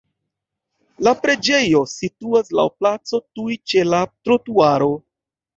La preĝejo situas laŭ placo tuj ĉe la trotuaro.